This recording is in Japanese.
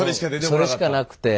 それしかなくて。